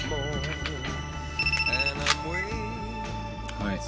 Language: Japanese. はい。